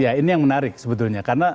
ya ini yang menarik sebetulnya karena